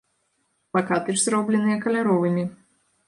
Плакаты ж зробленыя каляровымі.